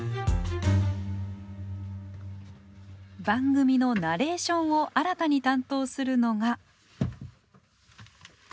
番組のナレーションを新たに担当するのが。